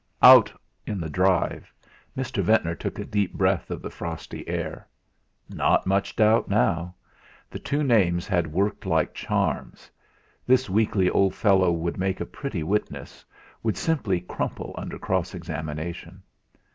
Out in the drive Mr. Ventnor took a deep breath of the frosty air. Not much doubt now! The two names had worked like charms. This weakly old fellow would make a pretty witness, would simply crumple under cross examination.